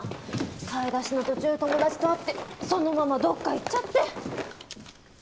買い出しの途中友達と会ってそのままどっか行っちゃって。